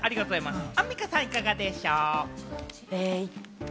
アンミカさん、いかがでしょう？